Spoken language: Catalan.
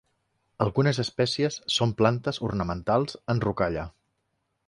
Algunes espècies són plantes ornamentals en rocalla.